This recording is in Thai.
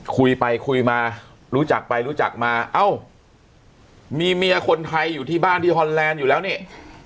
คุยไปคุยมารู้จักไปรู้จักมาเอ้ามีเมียคนไทยอยู่ที่บ้านที่ฮอนแลนด์อยู่แล้วนี่